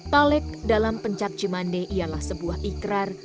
talek dalam pencak cimande ialah sebuah ikrar